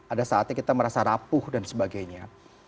ada saatnya kita merasa rapuh dan sebagainya